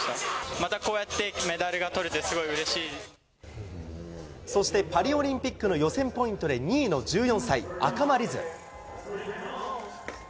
またこうやって、メダルがとれてそしてパリオリンピックの予選ポイントで２位の１４歳、赤間凛音。